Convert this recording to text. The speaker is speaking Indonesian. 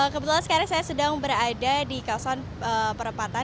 kebetulan sekarang saya sedang berada di kawasan perempatan